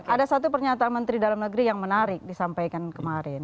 ada satu pernyataan menteri dalam negeri yang menarik disampaikan kemarin